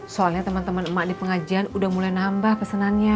soalnya temen temen emak di pengajian udah mulai nambah pesenannya